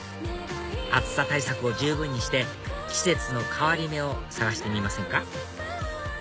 暑さ対策を十分にして季節の変わり目を探してみませんか？